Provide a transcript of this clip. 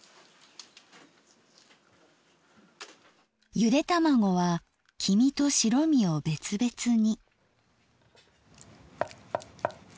ゆで卵は黄身と白身を別々に。